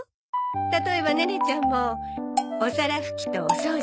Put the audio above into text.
例えばネネちゃんもお皿拭きとお掃除